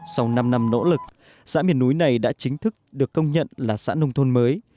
sau năm năm nỗ lực xã miền núi này đã chính thức được công nhận là xã nông thôn mới